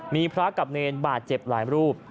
มีพระกับเนรบาดเจ็บหลายรูป